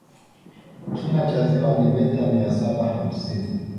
kina cha ziwa ni ni meta mia saba hamsini